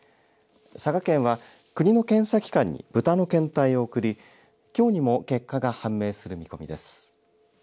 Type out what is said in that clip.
佐賀県は国の検査機関に豚の検体を送りきょうにも結果が判明する見込みです。